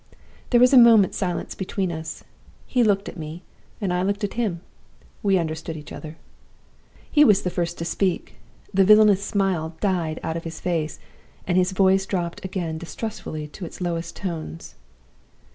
"There was a moment's silence between us. He looked at me, and I looked at him. We understood each other. "He was the first to speak. The villainous smile died out of his face, and his voice dropped again distrustfully to its lowest tones.